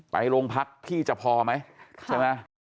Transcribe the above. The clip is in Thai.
ไปโรงพักที่จะพอไหม